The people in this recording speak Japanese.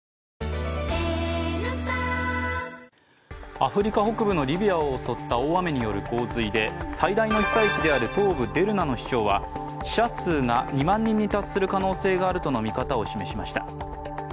アフリカ北部のリビアを襲った大雨による洪水で最大の被災地である東部デルナの市長は死者数が２万人に達する可能性があるとの見方を示しました。